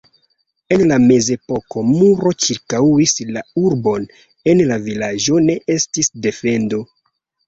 En la mezepoko muro ĉirkaŭis la urbon, en la vilaĝo ne estis defendo.